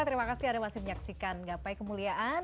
terima kasih anda masih menyaksikan gapai kemuliaan